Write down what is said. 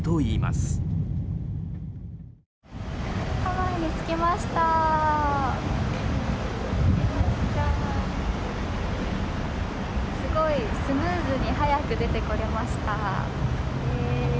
すごくスムーズに早く出てこれました。